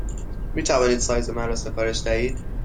می توانید سایز مرا سفارش دهید؟